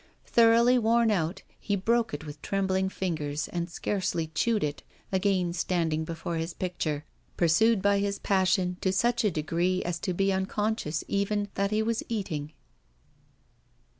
Thoroughly worn out, he broke it with trembling fingers, and scarcely chewed it, again standing before his picture, pursued by his passion to such a degree as to be unconscious even that he was eating.